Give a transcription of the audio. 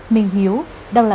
minh hiếu đang là